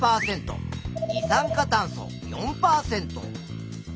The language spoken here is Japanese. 二酸化炭素４％。